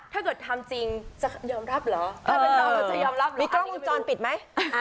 ถ้าเกิดทำจริงจะยอมรับเหรอมีกล้องมูลจรปิดไหม